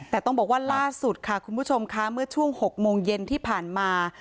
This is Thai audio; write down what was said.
แต่ต้องบอกว่าล่าสุดค่ะคุณผู้ชมค่ะเมื่อช่วง๖โมงเย็นที่ผ่านมา